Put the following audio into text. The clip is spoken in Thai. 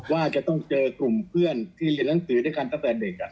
ว่าจะต้องเจอกลุ่มเพื่อนที่เรียนหนังสือด้วยกันตั้งแต่เด็ก